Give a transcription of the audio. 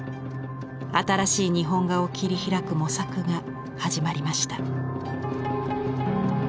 新しい日本画を切り開く模索が始まりました。